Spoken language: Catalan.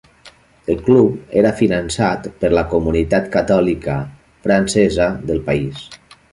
El club era finançat per la comunitat catòlica francesa del país.